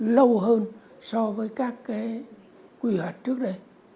lâu hơn so với các cái quy hoạch trước đây